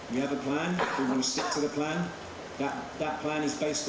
kita memiliki rencana kita ingin menetapkan rencana